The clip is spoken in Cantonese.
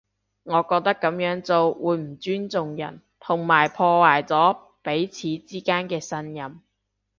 我覺得噉樣做會唔尊重人，同埋破壞咗彼此之間嘅信任